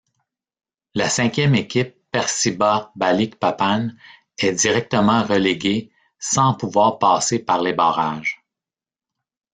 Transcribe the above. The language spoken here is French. La cinquième équipe, Persiba Balikpapan, est directement reléguée sans pouvoir passer par les barrages.